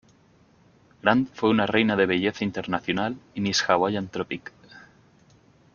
Grant fue una reina de belleza internacional y Miss Hawaiian Tropic.